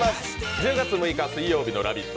１０月６日、水曜日の「ラヴィット！」。